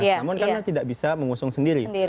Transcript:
namun karena tidak bisa mengusung sendiri